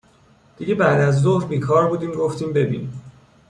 دیگه بعد از ظهر بیکار بودیم گفتیم ببینیم